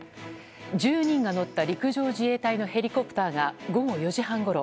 １０人が乗った陸上自衛隊のヘリコプターが午後４時半ごろ